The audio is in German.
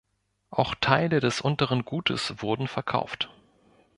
Auch Teile des unteren Gutes wurden verkauft.